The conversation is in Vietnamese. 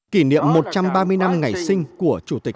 kỷ niệm một trăm ba mươi năm ngày sinh của chủ tịch hồ chí minh